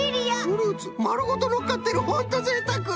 フルーツまるごとのっかってるホントぜいたく！